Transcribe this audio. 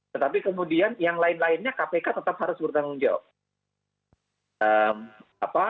tetapi kemudian yang lain lainnya kpk tetap harus bertanggung jawab